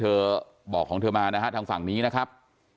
บอกของเธอมานะฮะทางฝั่งนี้นะครับ